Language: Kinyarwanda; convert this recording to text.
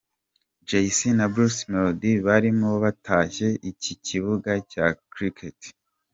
Jay C na Bruce Melodie bari mu batashye iki kibuga cya Cricket.